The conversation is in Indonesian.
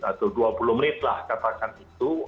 atau dua puluh menit lah katakan itu